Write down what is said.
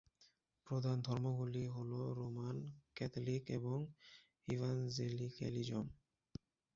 প্রধান ধর্মগুলি হল রোমান ক্যাথলিক এবং ইভানজেলিক্যালিজম।